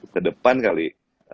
ke depan kali